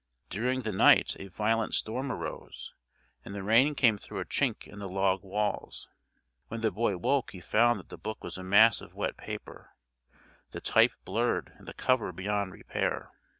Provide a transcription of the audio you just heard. During the night a violent storm arose, and the rain came through a chink in the log walls. When the boy woke he found that the book was a mass of wet paper, the type blurred, and the cover beyond repair.